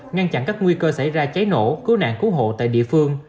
ngăn chặn các nguy cơ xảy ra cháy nổ cứu nạn cứu hộ tại địa phương